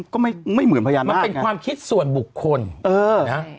ก็ไม่เหมือนพยานมันเป็นความคิดส่วนบุคคลเออนะ